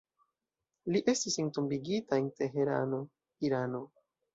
Li estis entombigita en Teherano, Irano.